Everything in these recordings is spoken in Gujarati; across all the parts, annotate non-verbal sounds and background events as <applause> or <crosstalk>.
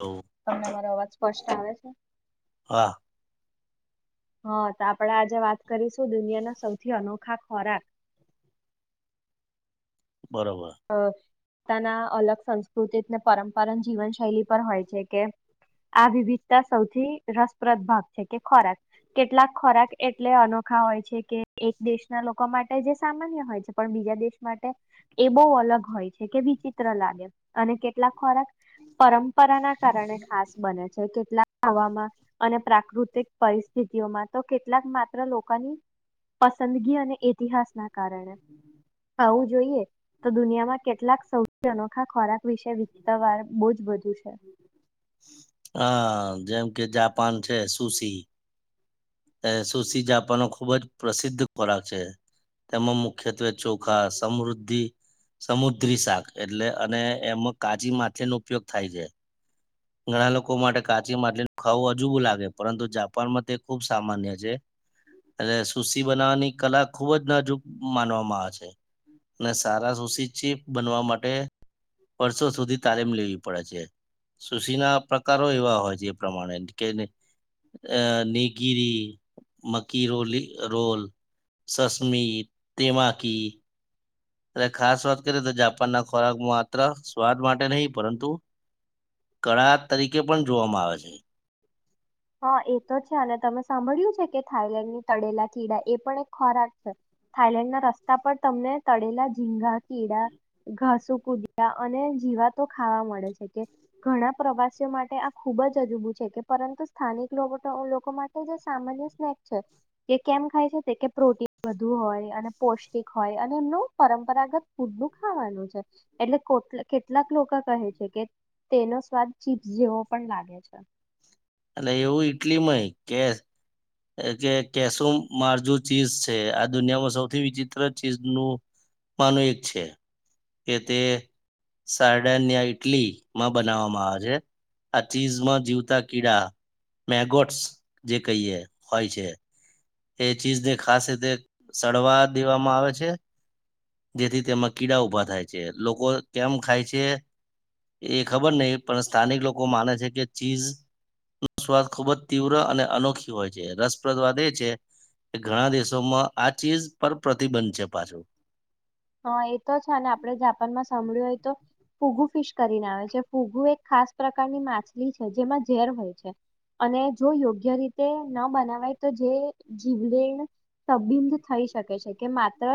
હા તમને મારો અવાજ સ્પષ્ટ આવે છે? હા, તો આપણેે આજે વાત કરીશું દુનિયાના સૌથી અનોખા ખોરાક બરોબર. અ, પોતાના અલગ સંસ્કૃતિને પરંપરા જીવન શૈલી પર હોય છે. કે આ વિવિધતા સૌથી રસપ્રદ ભાગ છે, કે ખોરાક. કેટલાક ખોરાક એટલે અનોખા હોય છે, કે એક દેશના લોકો માટે જે સામાન્ય હોય છે, પણ બીજા દેશ માટે એ બઉ અલગ હોય છે, કે વિચિત્ર લાગે. અને કેટલાક ખોરાક પરંપરાના કારણે ખાસ બને છે. કેટલાક આવામાં અને પ્રાકૃતિક પરિસ્થિતિઓમાં, તો કેટલાક માત્ર લોકાની પસંદગી અને ઇતિહાસ ના કારણે ખાવું જોઈએ. તો દુનિયામાં કેટલાક સૌથી અનોખા ખોરાક વિશે <unintelligible> બો જ બ <unintelligible> હા, જેમ કે જાપાન છે, સુસી. અ સુશી, જાપાનનો ખૂબ જ પ્રસિદ્ધ ખોરાક છે. તેમાં મુખ્યત્વે ચોખા સમૃદ્ધિ સમુદ્રી શાક, એટલે અને એમાં કાચી માછલીનો ઉપયોગ થાય છે. ઘણા લોકો માટે કાચી માછલી ખાવું અજુબું લાગે, પરંતુ જાપાનમાં તે ખૂબ સામાન્ય છે. એટલે સુસી બનાવવાની કલા ખુબ જ નાજુબ માનવામાં આવે છે અને સારા સુશી ચીફ બનવા માટે વર્ષો સુધી તાલીમ લેવી પડે છે. સુશીના પ્રકારો એવા હોય જે પ્રમાણે, કે અ નિગીરી, મકીરોલી રોલ, સસમી, તેમાકી. અને ખાસ વાત કરીએ તો જાપાન ના ખોરાક માત્ર સ્વાદ માટે નહીં, પરંતુ કળા તરીકે પણ જોવામાં આવે છે. હા એ તો છે. અને તમે સાંભળ્યું છે, કે થાઈલેન્ડની તળેલા કીડા એ પણ એક ખોરાક છે. થાઈલેન્ડના રસ્તા પર તમને તળેલા ઝીંગા, કીડા, ઘાસુ, કુદ્યા અને જીવાતો ખાવા મળે છે. કે ઘણા પ્રવાસીઓ માટે આ ખૂબ જ અજુબુ છે કે. પરંતુ સ્થાનિક લોકો માટે જે સામાન્ય સ્નેક છે. તે કેમ ખાય છે, તે કે પ્રોટીન વધુ હોય, અને પૌષ્ટિક હોય, અને એમનું પરંપરાગત ફૂડનું ખાવાનું છે. એટલે કો કેટલાક લોક કહે છે કે તેનો સ્વાદ ચીપ્સ જેવો પણ લાગે છે. અને એવું ઈટલીમાંય, કે કે કેસો મારજુ ચીઝ છે, આ દુનિયામાં સૌથી વિચિત્ર ચીજનું માંનું એક છે. કે તે સાાયડાનિયા ઈટલીમાં બનાવવામાં આવે છે. આ ચીઝમાં જીવતા કીડા મેગોટસ જે કહીએ હોય છે. તે ચીઝને ખાસ રીતે સડવા દેવામાં આવે છે, જેથી તેમાં કીડા ઉભા થાય છે. લોકો કેમ ખાય છે, એ ખબર નહીં, પણ સ્થાનિક લોકો માને છે કે ચીઝ નો સ્વાદ ખૂબ જ તીવ્ર અને અનોખી હોય છે. રસપ્રદ વાત એ છે કે ઘણા દેશોમાં આ ચીઝ પર પ્રતિબંધ છે, પાછો. હા એ તો છે અને આપડણે જાપાનમાં સાંભળ્યું હોય તો. ફુગુ ફિશ કરીને આવે છે ફુગુ એક ખાસ પ્રકારની માછલી છે જેમાં ઝેર હોય છે અને જો યોગ્ય રીતે ન બનાવાય તો જે જીવલેણ તબિંધ થઈ શકે છે કે માત્ર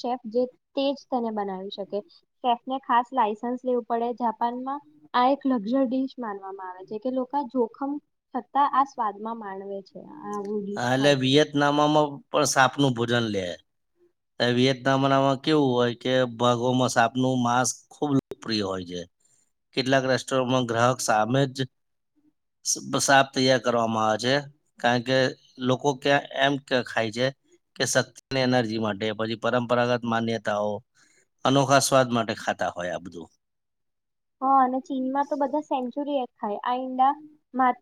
શેફ જે. તેજ તેને બનાવી શકે શેફને ખાસ લાઈસન્સ લેવું પડે જાપાનમાં આ એક લક્ઝરી ડડીશ. માનવામાં આવે છે લોકો જો. ખમ. છતાં આ સ્વાદ માં માણવે છે. આવું ડીશ ા એટલે ખાય છે વિયેતનામમાં. પણ સાપ નું ભોજન લે. વિયેતનામ નામાં કેવું હોય કે ભાગોમાં સાપ નું માંસ ખુબ લોકપ્રિય હોય છે કેટલાક રેસ્ટોરમાં ગ્રાહક સામે જ સાપ તૈયાર કરવામાં આવે છે કારણ કે લોકો ક્યાં એમ ખાય છે કે શક્તિની એનર્જી માટે. પછી પરંપરાગત માન્યતાઓ અનોખા સ્વાદ માટે ખાતા હોય આ બધું. હા અને ચીનમાં તો બધા સેન્ચુરી. હી. આઈંદ.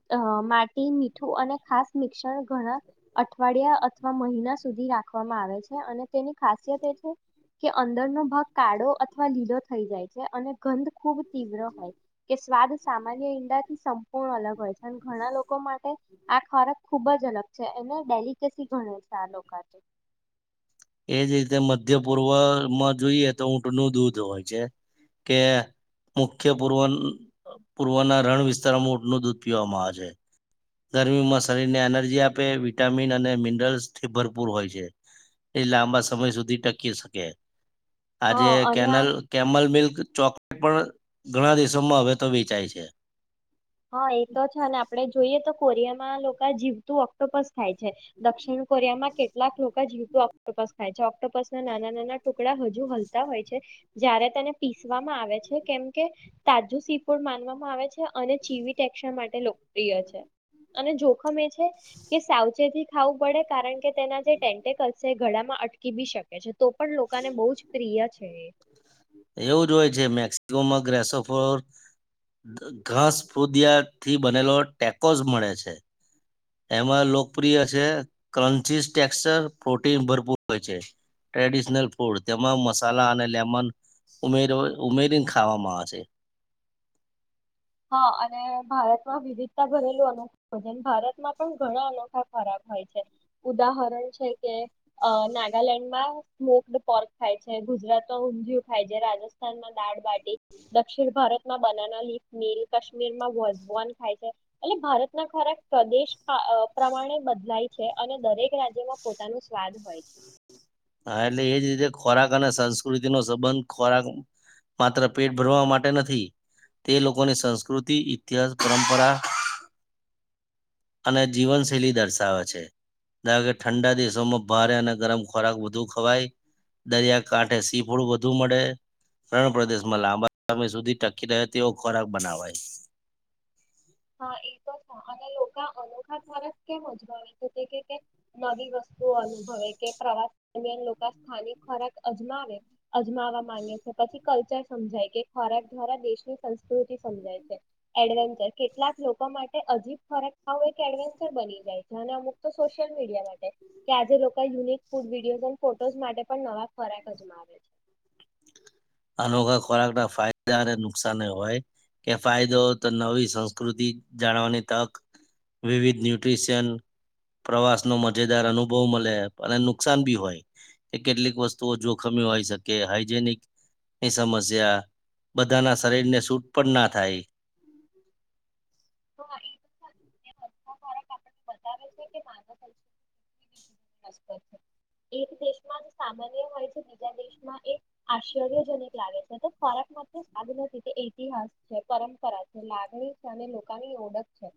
અ માટી મીઠું અને ખાસ મિક્સણ ઘણા અઠવાડિયા અથવા મહિના સુધી રાખવામાં આવે છે અને તેની ખાસિયત એ છે કે અંદરનો ભાગ કાળો અથવા લીલો થઈ જાય છે અને ગંધ ખૂબ. તીવ્ર હોય કે સ્વાદ સામાન્ય ઈંડાથી સંપૂર્ણ અલગ હોય છે અને ઘણા લોકો માટે આ ખોરાક ખૂબ જ અલગ છે એને ડેલિકસી ગણે છે આ લોકો. એ જ રીતે મધ્ય પૂર્વમાં જોઈએ તો ઊંટનું દૂધ હોય છે કે મુખ્ય પૂર્વ પૂર્વના રણ વિસ્તારમાં ઊંટનું દૂધ પીવામાં આવે છે ગરમીમાં શરીરને એનર્જી આપે વિટામિન અને મિનરલસથી ભરપૂર હોય છે. એ લાંબા સમય સુધી ટકી શકે. હ આજે અને આમ કેનલ કેમલ મિલ્ક. ચોકલેટ પણ ઘણા દિવસોમાં હવે તો વેચાય છે. હા એ તો છે અને આપડે જોઈએ તો. કોરિયામાં લોકો જીવતું ઓક્ટોપસ ખાય છે દક્ષિણ કોરિયામાં કેટલાક લોકો જીવતું ઓક્ટોપસ ખાય છે ઓક્ટોપસ ના નાના નાના ટુકડા હજુ હલતા હોય છે જયારે તેને પીસવામાં આવે છે કેમકે તાજું સી ફૂડ માનવામાં આવે છે. જીવી એશા માટે. ્રિ છે અને જોખમ એ છે કે સાવચેતી ખાવું પડે કારણ કે તેના જે ટેન્ટકલ છે ગળા માં અટકી બી શકે છે. તો પણ લોકોને બહુ જ પ્રિય છે. સફ ઘાસ ફુદિયાથી બનેલો ટેકોસ મળે છે એમાં લોકપ્રિય છે ક્રન્ચસ ટેક્ચર પ્રોટીન ભરપૂર હોય છે. ફૂડ તેમાં મસાલા અને લેમન ઉમે ઉમેરીને ખાવામાં આવે છે. હા અને ભારતમાં વિવિધતા ભરેલું અનોખા ભજન ભારતમાં પણ ઘણા અનોખા ખરાબ હોય છે. ઉદાહરણ છે કે નાગાલેન્ડમાં સ્મોકડ પોર્ક ખાય છે, ગુજરાતમાં ઊંધિયું ખાય છે, રાજસ્થાનમાં દાળ બાટી, દક્ષિણ ભારતમાં બનાના લીફ. નીલ કાશ્મીરમાં વઝોન ખાય છે, એટલે ભારતના ખોરાક પ્રદેશ પ્રમાણે બદલાય છે અને દરેક રાજ્યમાં પોતાનું સ્વાદ હોય છે હા એટલે એ જ રીતે ખોરાક અને સંસ્કૃતિનોો સંબંધ ખોરાક માત્ર પેટ ભરવા માટે નથી તે લોકોની સંસ્કૃતિ ઇતિહાસ પરંપરા અને જીવનશૈલી દર્શાવે છે ધારો કે ઠંડા દેશોમાં ભારે અને ગરમ ખોરાક વધુ ખવાય દરિયાકાાંઠે સી ફૂડ વધુ મળે રણ પ્રદેશમાં લાંબા સમય સુધી ટકી રહે તેવો ખોરાક બનાવાય હા એ તો છે અને લોકો અનોખા ખોરાક કેમ અજમાવે છે તે કે નવી વસ્તુઓ અનુભવે કે પ્રવાસ દરમિયાન લોકો સ્થાનિક ખોરાક અજમાવે અજમાવવા માંગે છે પછી કલ્ચર સમજાય કે ખોરાક દ્વારા દેશની સંસ્કૃતિ સમજાય છે. એડવેન્ચર કેટલાક લોકો માટે અજીબ ખોરાક આવું એક એડવેન્ચર બની જાય છે અને અમુક તો સોશિયલ મીડિયા માટે કે આજે લોકો યુનિક ફૂડ વિડીયોઝ ફોટોઝ માટે પણ નવા ખોરાક અજમાવે છે અનોખા ખોરાક ના ફાયદા અને નુકસાન હોય કે ફાયદો તો નવી સંસ્કૃતિ જાણવાની તક વિવિધ ન્યુટ્રીશિયન પ્રવાસ નો મજેદાર અનુભવ મળે અને નુકસાન બી હોય કે કેટલીક વસ્તુઓ જોખમી હોય શકે હાઈજનિક એ સમસ્યા બધાના શરીરને સૂટ પણ ના થાય તો <inaudible> આપણને બતાવે છે કે માનવ સંસ્કૃતિ કેટલી વિવિધ એક દેશમાં સામાન્ય હોય છે બીજા દેશમાં એ આશ્ચર્યજનક લાગે છે તો ખોરાક માટે સાદ નથી તે ઇતિહાસ છે પરંપરા છે લાગણી છે અને લોકોની ઓળખ છે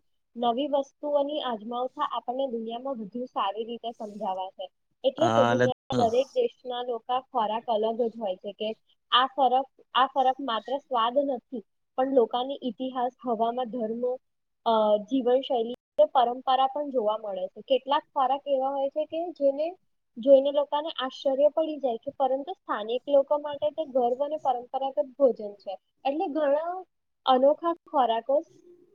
નવી વસ્તુઓની આજમાવતા આપણને દુનિયામાં વધુ સારી રીતે સમજાવા છે એટલે તો હા એટલે દુનિયાના દરેક દેશના લોકો ખોરાક અલગ જ હોય છે, કે આ ફરક આ ફરક માત્ર સ્વાદ નથી. પણ લોકાની ઈતિહાસ, હવામાં ધર્મો, જીવનશૈલી, પરંપરા પણ જોવા મળે છે. કેટલાક ખોરાક એવા હોય છે કે જેને જોઈને લોકાને આશ્ચર્ય પડી જાય છે, પરંતુ સ્થાનિક લોકો માટે તે ગર્વ અને પરંપરાગત ભોજન છે. એટલે ઘણા અનોખા ખોરાકો,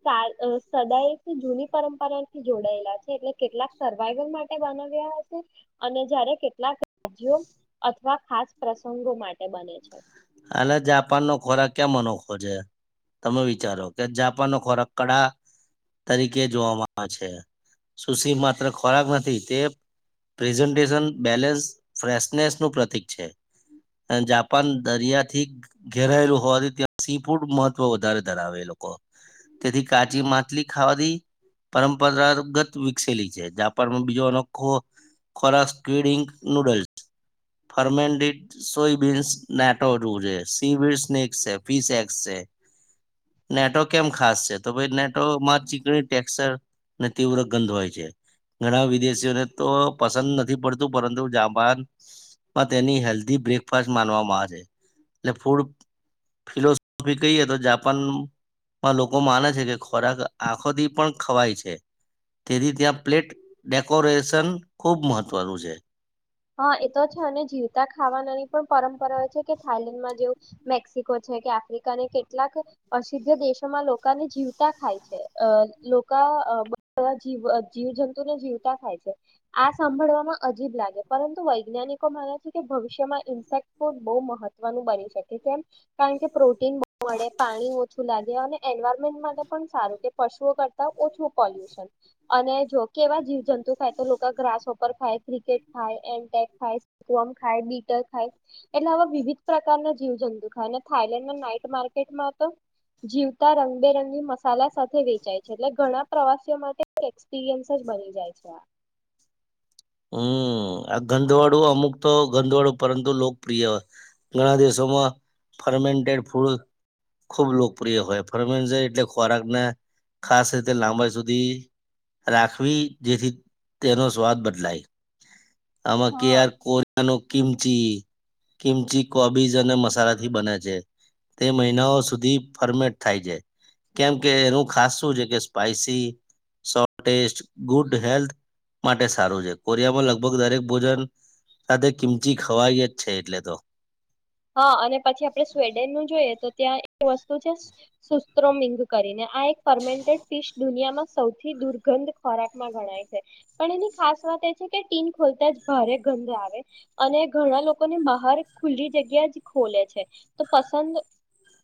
સદાય તે જૂની પરંપરા થી જોડાયેલા છે, એટલે કેટલાક સર્વાઈવલ માટે બના વ્યા હસે, અને જયારે કેટલાક રાજ્યો, અથવા ખાસ પ્રસંગો માટે બને છે. અને જાપાનનો ખોરાક કેમ અનોખો છે? તમે વિચારો, કે જાપાનનો ખોરાક કડા તરીકે જોવામાં આવે છે. સુશી માત્ર ખોરાક નથી, તે પ્રેઝન્ટેશન, બેલેન્સ, ફ્રેશનેસનું પ્રતિક છે. અને જા પાન દરિયાથી ઘેરાયેલું હોવાથી, ત્યાં સી ફૂડ મહત્વ વધારે ધરાવે એ લોકો. તેથી કાચી માછલી ખાવાથી પરંપરાગત વિકસેલી છે. જાપાનમાં બીજો અનોખો ખોરાક સ્પીડઈંક નૂડલ્સ. ફર્મેન્ટેડ સોયબીન્સ <unintelligible> જેવું છે. સી વીડ સ્નેક્સ છે. ફીસ એક્સ છે. નેટો કેમ ખાસ છે? તો ભાઈ નેટોમાં ચીકણી ટેક્ચર ને તીવ્ર ગંધ હોય છે. ઘણા વિદેશીઓને તો પસંદ નથી પડતું, પરંતુ જાપાનમાં તેની હેલ્ધી બ્રેકફાસ્ટ માનવામાં આવે છે. એટલે ફૂડ ફિલોસોફી કહીયે, તો જાપાનમાં લોકો માને છે કે ખોરાક આંખોથી પણ ખવાય છે. તેથી ત્યાં પ્લેટ ડેકોરેશન ખુબ મહત્વનું છે. હા, એ તો છે અને જીવતા ખાવાનાની પણ પરંપરા હોય છે, કે થાઈલેન્ડમાં જેવુ મેક્સિકો છે કે આફ્રિકાને કેટલાક અસિ્ધ દેશોમાં લોકાને જીવતા ખાય છે. લોકા જ જીવજંતુને જીવતા ખાય છે. આ સાંભળવામાં અજીબ લાગે પરંતુ વૈજ્ઞાનિકો માને છે કે ભવિષ્યમાં ઇન્સેક્ટ ફૂડ બહુ મહત્વનું બની શકે. કેમ, કારણ કે પ્રોટીન બહુ મળે, પાણી ઓછું લાગે, અને એન્વાયરમેન્ટ માટે પણ સારું. તે પશુઓ કરતા ઓછું પોલ્યુશન અને જો, કેવા જીવ જંતુ ખાય, તો લોકા ગ્રાસહોપર ખાય, ક્રિકેટ ખાય, <unintelligible> ખાય, વર્મ ખાય, બીટર ખાય. એટલે આવા વિવિધ પ્રકારના જીવ જંતુ ખાય. અને થાઈલેન્ડના નાઈટ માર્કેટમાં તો જીવતા રંગબેરંગી મસાલા સાથે વેચાય છે. એટલે ઘણા પ્રવાસીઓ માટે એક્સપિરિયન્સ જ બની જાય છે, આ. હંમ. આ ગંધવાડું અમુક તો, ગંધવાડું પરંતુ લોકપ્રિય હોય. ઘણા દેશોમાં ફર્મેન્ટેડ ફૂડ ખૂબ લોકપ્રિય હોય. ફરમેન્ટ એટલે ખોરાકને ખાસ રીતે લાંબાઈ સુધી રાખવી, જેથી તેનો સ્વાદ બદલાય. આમાં કે હા આર કોરિયાનો કિમચી. કિમચી કોબીઝ અને મસાલાથી બને છે. તે મહિનાઓ સુધી ફર્મેન્ટ થાય છે. કેમ કે એનું ખાસ શું છે, કે સ્પાઈસી સોલટેસ્ટ, ગુડ હેલ્થ માટે સારું છે. કોરિયામાં લગભગ દરેક ભોજન સાથે કિમચી ખવાય જ છે એટલે તો. હા, અને પછી આપડે સ્વેડનનું જોઈએ, તો ત્યાં વસ્તુ છે, સુસ્ત્રોમિંગ કરીને. આ એક ફર્મેન્ટેડ ફીશ દુનિયામાં સૌથી દુર્ગંધ ખોરાકમાં ગણાય છે. પણ એની ખાસ વાત એ છે કે ટીન ખોલતા જ ભારે ગંધ આવે, અને ઘણા લોકોને બહાર ખુલ્લી જગ્યાએ જ ખોલે છે. તો પસંદ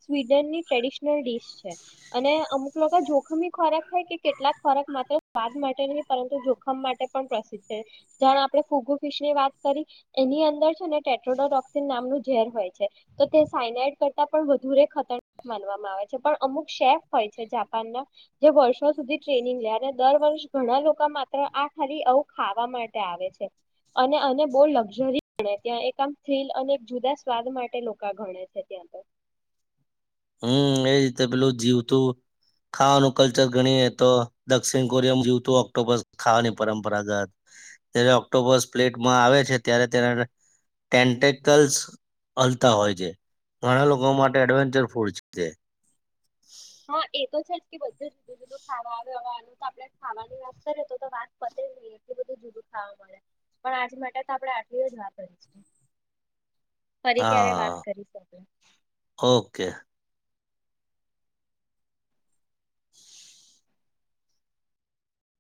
સ્વીડનની ટ્રેડિશનલ ડિશ છે. અને અમુક લોકો જોખમી ખોરાક ખાય કે કેટલાક ખોરાક માત્ર સ્વાદ માટે નહીં, પરંતુ જોખમ માટે પણ પ્રસિદ્ધ છે. જાણે આપણે ફુગુ ફીશની વાત કરી, એની અંદર છે ને ટેટ્રોડોટોક્સિન નામનું ઝેર હોય છે. તો તે સાઈનાઈડ કરતાં પણ વધુરે ખતરનાક માનવામાં આવે છે. પણ અમુક શેફ હોય છે જાપાનના, જે વર્ષો સુધી ટ્રેનિંગ લે. અને દર વર્ષ ઘણા લોકા માત્ર આ ખાલી આવું ખાવા માટે આવે છે. અને આને બો લકઝરી માને ત્યાં. એક આમ થ્રિલ અને એક જુદા સ્વાદ માટે લોકા ગણે છે ત્યાં તો. હંમ. એ રીતે પેલું જીવતું ખાવાનું કલ્ચર ગણીએ, તો દક્ષિણ કોરિયામં જીવતું ઓક્ટોબસ ખાવાની પરંપરાગત. જ્યારે ઓક્ટોબસ પ્લેટમાં આવે છે, ત્યારે તેના ટેન્ટેકલ્સ હલતા હોય છે. ઘણા લોકો માટે એડવેન્ચર ફૂડ છે તે. બધું જુદું જુદું ખાવા આવે. હવે ઓનું તો આપણે ખાવાની વાત કરીએ તો વાત પતે જ નહીં, એટલી બધું જુદું ખાવા મળે. પણ આજ માટે તો આપડે આટલી જ વાત કરી છીએ. હા, ઓકે.